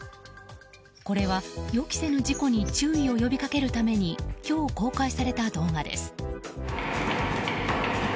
これは予期せぬ事故に注意を呼びかけるために今日公開された動画です。